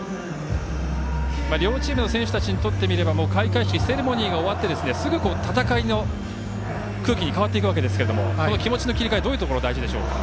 両チームの選手たちにとっては開会式、セレモニーが終わってすぐ戦いの空気に変わっていくわけですが気持ちの切り替えどういうところが大事でしょうか。